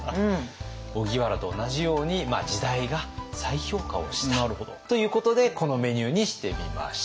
荻原と同じように時代が再評価をしたということでこのメニューにしてみました。